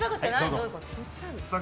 どういうこと？